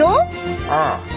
ああ。